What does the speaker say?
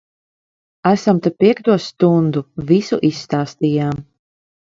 Esam te piekto stundu. Visu izstāstījām.